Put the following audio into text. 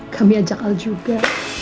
kami ajak al juga